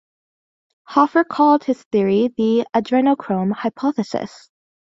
Hoffer called his theory the "adrenochrome hypothesis".